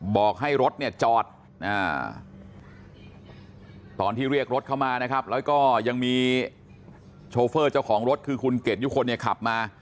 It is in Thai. บอกให้รถจอดตอนที่เรียกรถเข้ามาเราก็ยังมีช่องเจ้าของรถคือคุณเกดยุคนขับมา